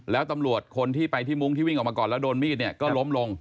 แล้วตำรวจคนที่ไปที่มุ้งที่วิ่งออกมาก่อนแล้วโดนมีดเนี่ยก็ล้มลง